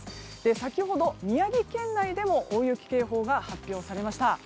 先ほど、宮城県内でも大雪警報が発表されました。